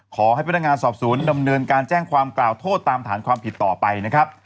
ขอให้พนักงานสอบสวนดำเนินการแจ้งความกล่าวโทษตามฐานความผิดต่อไปนะครับ